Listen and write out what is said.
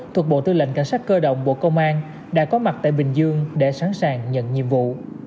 thuộc bộ tư lệnh cảnh sát cơ động bộ công an đã có mặt tại bình dương để sẵn sàng nhận nhiệm vụ